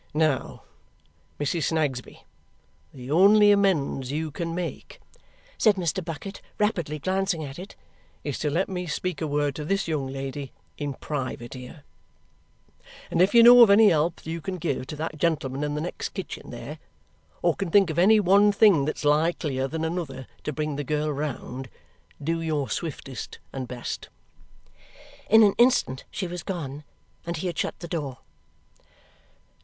"Now, Mrs. Snagsby, the only amends you can make," said Mr. Bucket, rapidly glancing at it, "is to let me speak a word to this young lady in private here. And if you know of any help that you can give to that gentleman in the next kitchen there or can think of any one thing that's likelier than another to bring the girl round, do your swiftest and best!" In an instant she was gone, and he had shut the door.